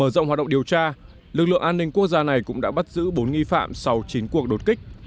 mở rộng hoạt động điều tra lực lượng an ninh quốc gia này cũng đã bắt giữ bốn nghi phạm sau chín cuộc đột kích